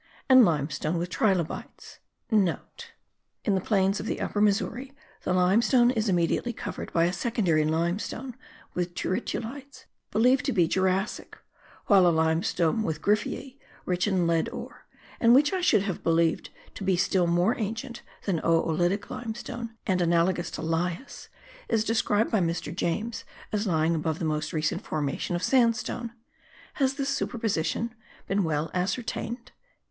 and limestone with trilobites,* (* In the plains of the Upper Missouri the limestone is immediately covered by a secondary limestone with turritulites, believed to be Jurassic, while a limestone with grypheae, rich in lead ore and which I should have believed to be still more ancient than oolitic limestone, and analogous to lias, is described by Mr. James as lying above the most recent formation of sandstone. Has this superposition been well ascertained?)